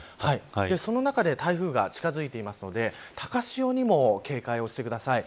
その中で台風が近づいていますので高潮にも警戒をしてください。